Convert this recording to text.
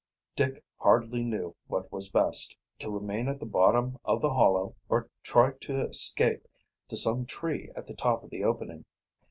Dick hardly knew what was best to remain at the bottom of the hollow or try to escape to some tree at the top of the opening.